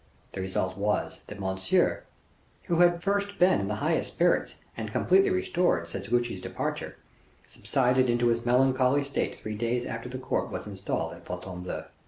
The result was, that Monsieur who had at first been in the highest spirits, and completely restored since Guiche's departure subsided into his melancholy state three days after the court was installed at Fontainebleau.